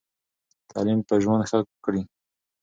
تعلیم به ژوند ښه کړي.